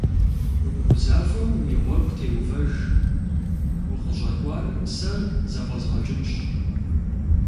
Умыгузэвэу уи гъуэгу теувэж, укъыщӏэкӏуар сэ зэфӏэзгъэкӏынщ.